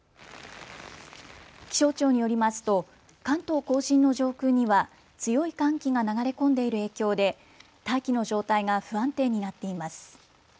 気象庁によりますと関東甲信の上空には強い寒気が流れ込んでいる影響で大気の状態が不安定になっています。